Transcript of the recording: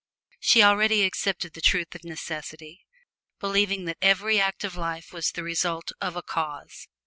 She already accepted the truth of necessity, believing that every act of life was the result of a cause.